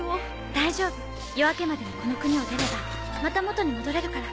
大丈夫夜明けまでにこの国を出ればまた元に戻れるから。